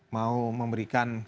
mau memberikan keterangan